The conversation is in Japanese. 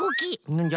なんじゃ？